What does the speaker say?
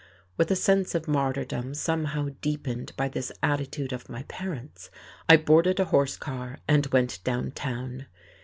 With a sense of martyrdom somehow deepened by this attitude of my parents I boarded a horse car and went down town.